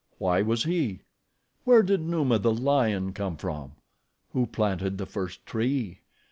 Why was he? Where did Numa, the lion, come from? Who planted the first tree?